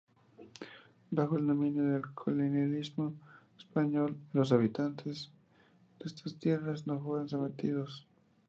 Bajo el dominio del colonialismo español, los habitantes de estas tierras no fueron sometidos.